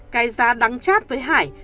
cái giá đáng chát với hải